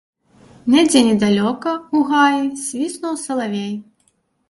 Недзе недалёка, у гаі, свіснуў салавей.